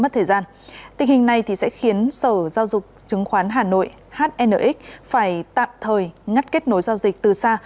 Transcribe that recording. tình hình này sẽ khiến sở giao dục chứng khoán hà nội hnx phải tạm thời ngắt kết nối giao dịch từ xa